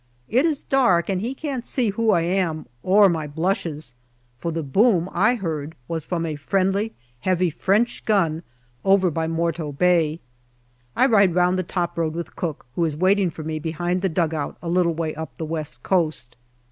It is dark and he can't see who I am or my blushes for the boom I heard was from a friendly heavy French gun over by Morto Bay. I ride round the top road with Cooke, who is waiting for me behind the dugout a little way up the West Coast.